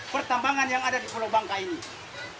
pertambangan yang ada di pulau bangka ini